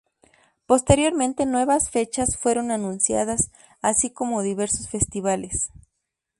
Posteriormente nuevas fechas fueron anunciadas, así como diversos festivales.